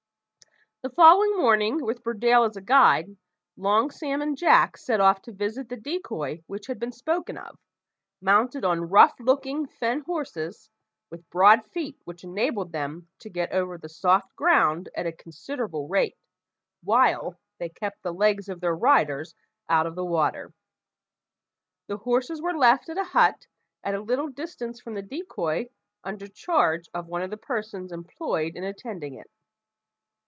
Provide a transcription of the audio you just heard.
The following morning, with Burdale as a guide, Long Sam and Jack set off to visit the decoy which had been spoken of, mounted on rough looking fen horses, with broad feet which enabled them to get over the soft ground at a considerable rate, while, they kept the legs of their riders out of the water. The horses were left at a hut at a little distance from the decoy, under charge of one of the persons employed in attending it.